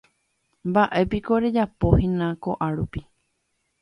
Mba'épiko rejapohína ko'árupi.